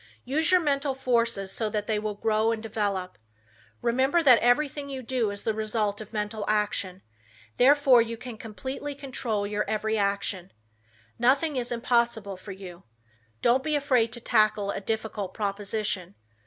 Use your mental forces so that they will grow and develop. Remember that everything you do is the result of mental action, therefore you can completely control your every action. Nothing is impossible for you. Don't be afraid to tackle a difficult proposition.